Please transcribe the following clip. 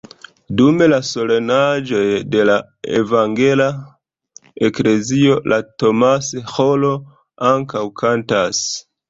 Dum la solenaĵoj de la evangela eklezio la Thomas-ĥoro ankaŭ kantas.